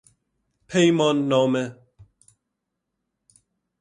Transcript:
پیمان نامه